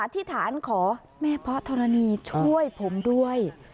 ธิษฐานขอแม่พ่อธรณีช่วยผมด้วย